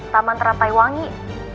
taman terantai wangi